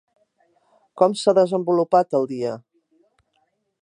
Com s'ha desenvolupat el dia?